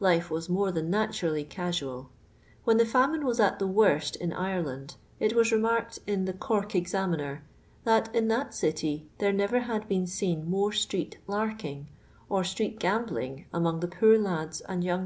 Life Avas more than naturally casual. When the faminy was at the worst in Ireland, it was remarked in tho Cork Jixii miner, that in that city there never had been seen more street "laikmg" or street cambling among the poor lads and younj?